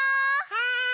はい！